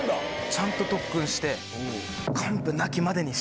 ちゃんと特訓して。